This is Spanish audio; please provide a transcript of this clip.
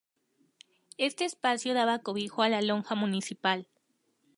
Este espacio daba cobijo a la lonja municipal.